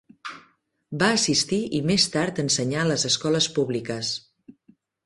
Va assistir i més tard ensenyar a les escoles públiques.